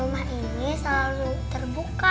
rumah ini selalu terbuka